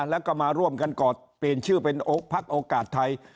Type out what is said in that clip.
แล้วก็มาร่วมกันกอดเปลี่ยนชื่อเป็นพักโอกาสไทย